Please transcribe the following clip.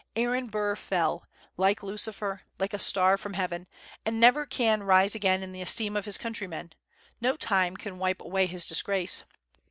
Aaron Burr fell, like Lucifer, like a star from heaven, and never can rise again in the esteem of his countrymen; no time can wipe away his disgrace.